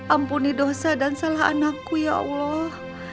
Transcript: ampuni dosa dan salah anakku ya allah